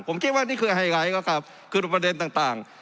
ผมคิดว่านี่คือไฮไลท์ก็ครับคือประเด็นต่าง